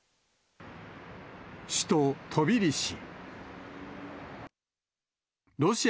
首都トビリシ。